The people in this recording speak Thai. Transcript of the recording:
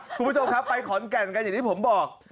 คุณผู้ชมครับไปขอนแก่นกันอย่างที่ผมบอก